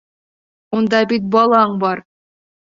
Унда бит балаң бар.